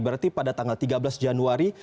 berarti pada tanggal tiga belas januari